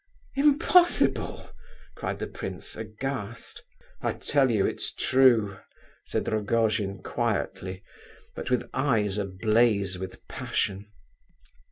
"Impossible!" cried the prince, aghast. "I tell you it's true," said Rogojin quietly, but with eyes ablaze with passion.